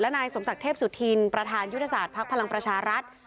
และนายสมสักเทพสุทีนประธานยุติศาสตร์พลังประชารัฐ